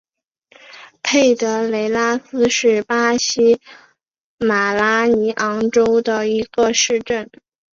佩德雷拉斯是巴西马拉尼昂州的一个市镇。